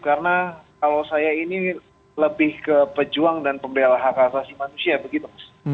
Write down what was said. karena kalau saya ini lebih ke pejuang dan pembela hak asasi manusia begitu